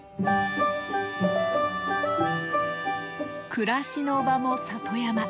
暮らしの場も里山。